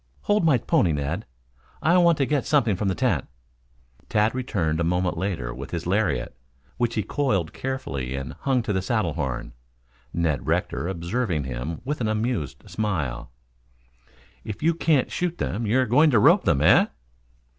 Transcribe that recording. "Hold my pony, Ned. I want to get something from the tent." Tad returned a moment later with his lariat, which he coiled carefully and hung to the saddle horn, Ned Rector observing him with an amused smile. "If you can't shoot them you're going to rope them, eh?"